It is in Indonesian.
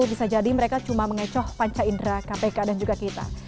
bisa jadi mereka cuma mengecoh panca indera kpk dan juga kita